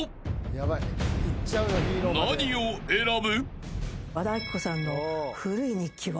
［何を選ぶ？］